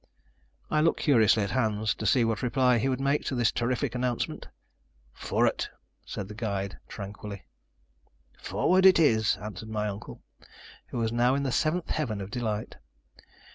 I looked curiously at Hans to see what reply he would make to this terrific announcement. "Forut," said the guide tranquilly. "Forward it is," answered my uncle, who was now in the seventh heaven of delight.